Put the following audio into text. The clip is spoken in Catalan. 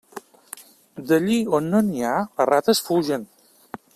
D'allí on no n'hi ha, les rates fugen.